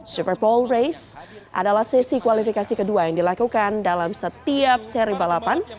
super poll race adalah sesi kualifikasi kedua yang dilakukan dalam setiap seri balapan